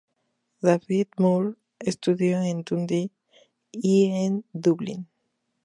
David Moore estudió en Dundee y en Dublín.